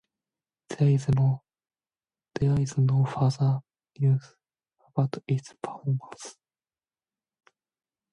There is no further news about its performance.